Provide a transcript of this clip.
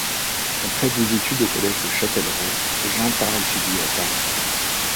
Après des études au collège de Châtellerault, Jean part étudier à Paris.